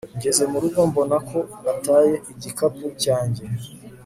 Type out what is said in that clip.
Ngeze mu rugo mbona ko nataye igikapu cyanjye